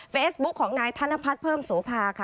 เฟซบุ๊กของนายธนพัฒน์เพิ่มสูภาค่ะ